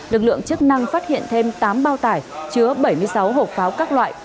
lực lượng chức năng phát hiện thêm tám bao tải chứa bảy mươi sáu hộp pháo các loại